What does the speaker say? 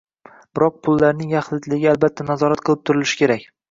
Biroq pullarning yaxlitligi albatta nazorat qilib turilishi kerak.